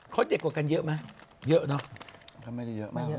เขาเด็กกว่ากันเยอะไหมเยอะเนอะ